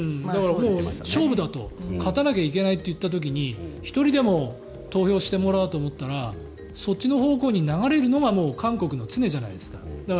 もう勝負だと勝たなきゃいけないといった時に１人でも投票してもらおうと思ったらそっちの方向に流れるのが韓国の常じゃないですか。